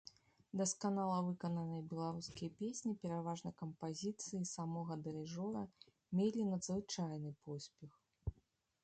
Дасканала выкананыя беларускія песні, пераважна кампазіцыі самога дырыжора, мелі надзвычайны поспех.